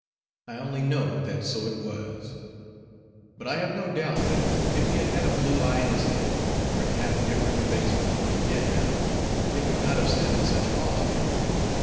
I only know that so it was; but I have no doubt, that if he had had a blue eye in his head, or had had a different face from what he did have, they would not have stood in such awe of him.